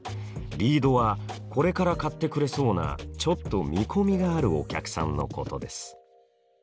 リードはこれから買ってくれそうなちょっと見込みがあるお客さんのことです。